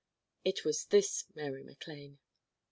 It was this Mary MacLane.